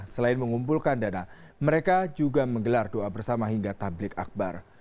selain mengumpulkan dana mereka juga menggelar doa bersama hingga tablik akbar